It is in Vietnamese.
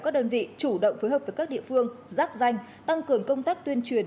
các đơn vị chủ động phối hợp với các địa phương giáp danh tăng cường công tác tuyên truyền